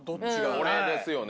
これですよね。